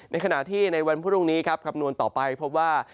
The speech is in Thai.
ในขณะที่ในวันพรุ่งนี้ครับคำนวณต่อไปพบว่า